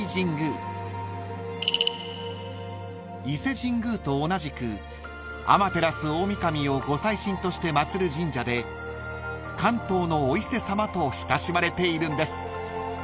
［伊勢神宮と同じく天照大御神をご祭神として祭る神社で関東のお伊勢さまと親しまれているんです］